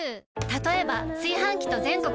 たとえば炊飯器と全国